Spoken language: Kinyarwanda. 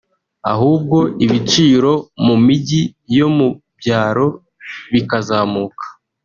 ahubwo ibiciro mu mijyi yo mu byaro bikazamuka